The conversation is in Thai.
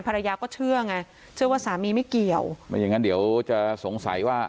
ภรรยาก็เชื่อไงเชื่อว่าสามีไม่เกี่ยวไม่อย่างนั้นเดี๋ยวจะสงสัยว่า